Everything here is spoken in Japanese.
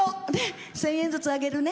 １０００円ずつあげるね。